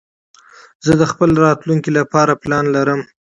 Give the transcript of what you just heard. زه د خپل راتلونکي لپاره پلان لرم.